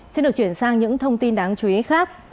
xin được chuyển sang những thông tin đáng chú ý khác